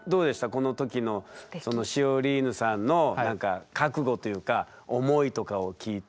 この時のそのシオリーヌさんの覚悟というか思いとかを聞いて。